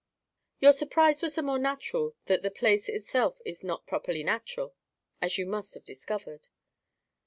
"Your surprise was the more natural that the place itself is not properly natural, as you must have discovered."